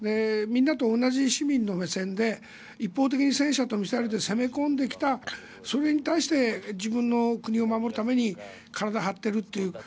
みんなと同じ、市民の目線で一方的に戦車とミサイルで攻め込んできた、それに対して自分の国を守るために体を張っているという。